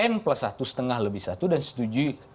n plus satu setengah lebih satu dan setujui